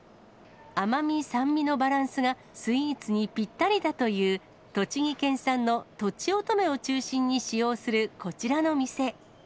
甘み、酸味のバランスがスイーツにぴったりだという、栃木県産のとちおとめを中心に使用するこちらの店。